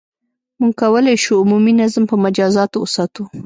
• موږ کولای شو، عمومي نظم په مجازاتو وساتو.